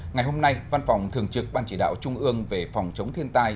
ngày hôm nay văn phòng thường trực ban chỉ đạo trung ương về phòng chống thiên tai